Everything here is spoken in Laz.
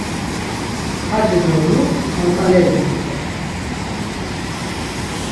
xaci do lu ontaleri bimxor.